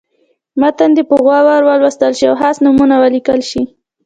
متن دې په غور ولوستل شي او خاص نومونه ولیکل شي.